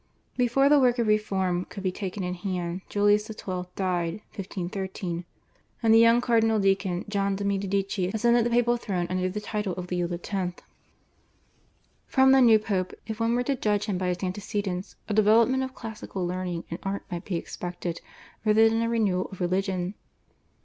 Before the work of reform could be taken in hand Julius XII. died (1513), and the young cardinal deacon, John de' Medici, ascended the papal throne under the title of Leo X. From the new Pope, if one were to judge him by his antecedents, a development of classical learning and art might be expected rather than a renewal of religion.